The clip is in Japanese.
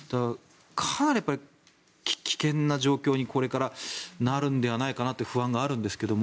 かなり危険な状況にこれからなるのではないかなという不安があるんですけど